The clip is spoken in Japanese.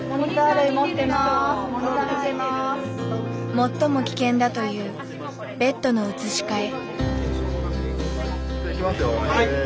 最も危険だというベッドの移し替え。